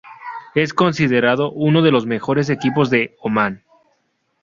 Es considerado uno de los mejores equipos de Omán.